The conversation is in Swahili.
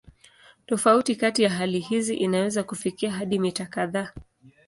Tofauti kati ya hali hizi inaweza kufikia hadi mita kadhaa.